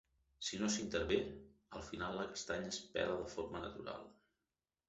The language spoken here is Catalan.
Si no s'hi intervé, al final la castanya es pela de forma natural.